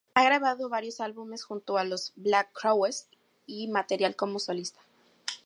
Ha grabado varios álbumes junto a los Black Crowes, y material como solista.